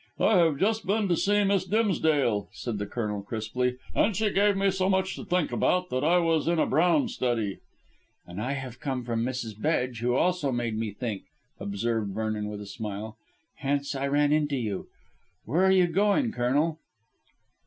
"I have just been to see Miss Dimsdale," said the Colonel crisply, "and she gave me so much to think about that I was in a brown study." "And I have come from Mrs. Bedge, who also made me think," observed Vernon with a smile, "hence I ran into you. Where are you going, Colonel?"